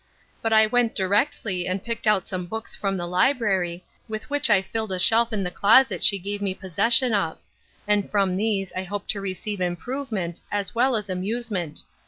But I went directly and picked out some books from the library, with which I filled a shelf in the closet she gave me possession of; and from these I hope to receive improvement, as well as amusement.